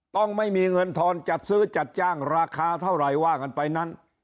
ต้องไม่มีเงินทอนจัดซื้อจัดจ้างราคาเท่าไหร่ว่ากันไปนั้น